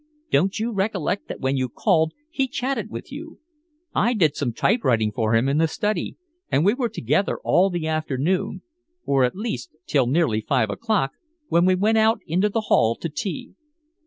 Don't you recollect that when you called he chatted with you? I did some typewriting for him in the study, and we were together all the afternoon or at least till nearly five o'clock, when we went out into the hall to tea."